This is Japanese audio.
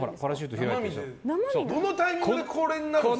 どのタイミングでこれになるんですか。